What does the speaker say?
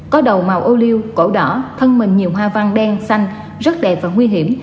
có đầu màu ô liu cổ đỏ thân mình nhiều hoa văn đen xanh rất đẹp và nguy hiểm